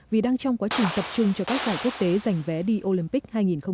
vì đang trong quá trình tập trung cho các giải quốc tế giành vé đi olympic hai nghìn hai mươi